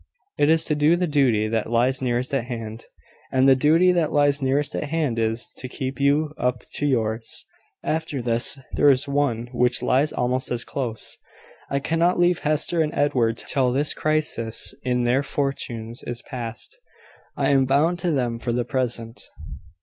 "It is to do the duty that lies nearest at hand; and the duty that lies nearest at hand is, to keep you up to yours. After this, there is one which lies almost as close, I cannot leave Hester and Edward till this crisis in their fortunes is past. I am bound to them for the present."